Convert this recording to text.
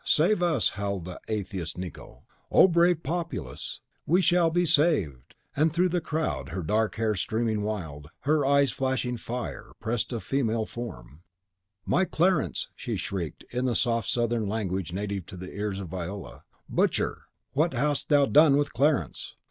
save us!" howled the atheist Nicot. "On, brave populace! we SHALL be saved!" And through the crowd, her dark hair streaming wild, her eyes flashing fire, pressed a female form, "My Clarence!" she shrieked, in the soft Southern language native to the ears of Viola; "butcher! what hast thou done with Clarence?"